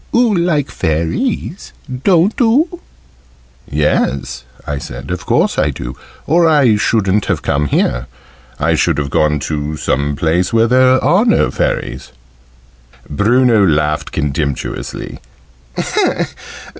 "Oo like Fairies, don't oo?" "Yes," I said: "of course I do, or I shouldn't have come here. I should have gone to some place where there are no Fairies." Bruno laughed contemptuously.